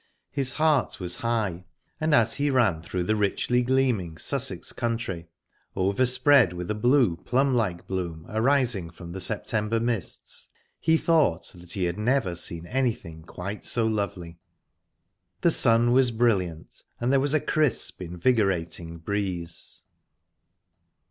His heart was high, and as he ran through the richly gleaming Sussex country, overspread with a blue, plum like bloom, arising from the September mists, he thought that he had never seen anything quite so lovely. The sun was brilliant, and there was a crisp, invigorating breeze.